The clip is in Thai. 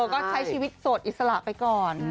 ก็ใช้ชีวิตโสดอิสระไปก่อน